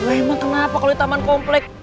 emang kenapa kalo ini taman kompleks